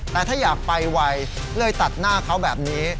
แต่ถ้าอยากไปไวเลยตัดหน้าเขาแบบนี้